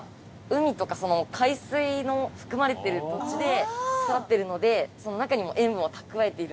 海とか海水の含まれてる土地で育ってるので中にも塩分を蓄えているので。